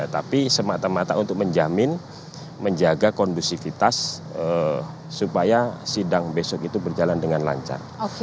tapi semata mata untuk menjamin menjaga kondusivitas supaya sidang besok itu berjalan dengan lancar